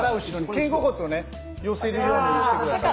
肩甲骨を寄せるようにして下さい。